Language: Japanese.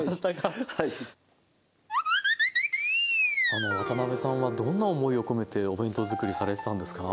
あの渡辺さんはどんな思いを込めてお弁当作りされてたんですか？